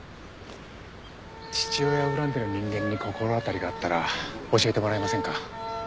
父親を恨んでる人間に心当たりがあったら教えてもらえませんか？